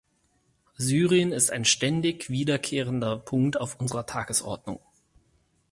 Syrien ist ein ständig wiederkehrender Punkt auf unserer Tagesordnung.